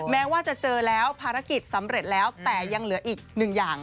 แม้ว่าจะเจอแล้วภารกิจสำเร็จแล้วแต่ยังเหลืออีกหนึ่งอย่าง